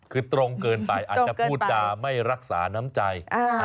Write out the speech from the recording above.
คือตรงเกินไปอาจจะพูดจาไม่รักษาน้ำใจ